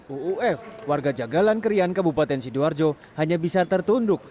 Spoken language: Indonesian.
uuf warga jagalan kerian kabupaten sidoarjo hanya bisa tertunduk